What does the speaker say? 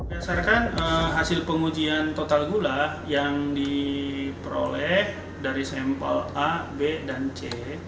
berdasarkan hasil pengujian total gula yang diperoleh dari sampel a b dan c